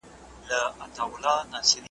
متعصب تل خپل نظر مطلق حق ګڼي